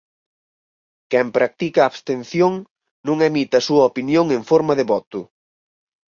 Quen practica a abstención non emite a súa opinión en forma de voto.